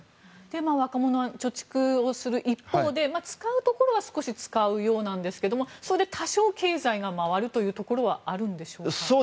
若者は貯蓄をする一方で使うところは少し使うようなんですがそれで多少、経済が回るというところはあるんでしょうか。